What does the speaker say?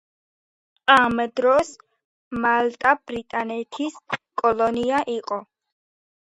ამ დროს მალტა ბრიტანეთის კოლონია იყო.